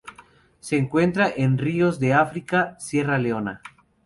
Se encuentran en ríos de África: Sierra Leona.